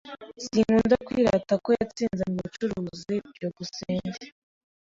Sinkunda kwirata ko yatsinze mubucuruzi. byukusenge